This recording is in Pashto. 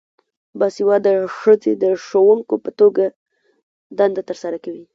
باسواده ښځې د ښوونکو په توګه دنده ترسره کوي.